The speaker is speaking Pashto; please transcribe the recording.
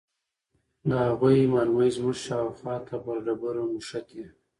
د هغوې مرمۍ زموږ شاوخوا ته پر ډبرو مښتې.